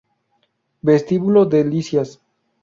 Vestíbulo Delicias